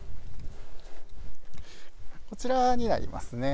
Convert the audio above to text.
こちらになりますね。